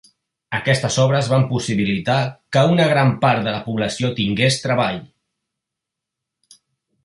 Aquestes obres van possibilitar que una gran part de la població tingués treball.